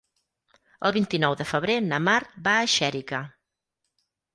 El vint-i-nou de febrer na Mar va a Xèrica.